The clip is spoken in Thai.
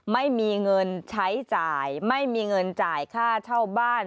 ไม่มีเงินใช้จ่ายไม่มีเงินจ่ายค่าเช่าบ้าน